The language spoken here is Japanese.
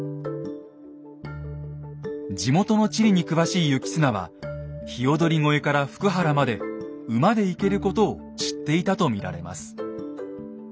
地元の地理に詳しい行綱は鵯越から福原まで馬で行けることを知っていたと見られます。